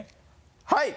はい！